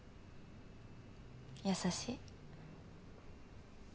優しい。